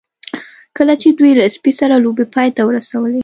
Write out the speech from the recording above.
کله چې دوی له سپي سره لوبې پای ته ورسولې